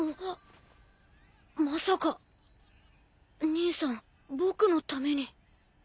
まさか兄さん僕のために。